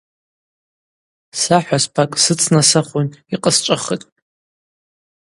Са хӏваспакӏ сыцнасахвын йкъасчӏвахытӏ.